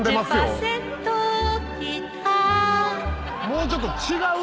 もうちょっと違う。